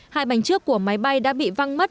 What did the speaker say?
hai bánh trước của máy bay đã bị văng mất